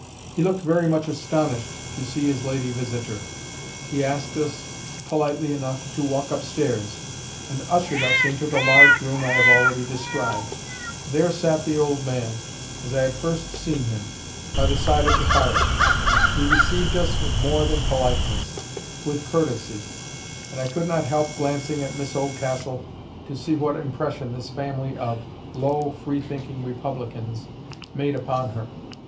He looked very much astonished to see his lady visitor. He asked us, politely enough, to walk up stairs, and ushered us into the large room I have already described. There sat the old man, as I had first seen him, by the side of the fire. He received us with more than politeness—with courtesy; and I could not help glancing at Miss Oldcastle to see what impression this family of "low, free thinking republicans" made upon her.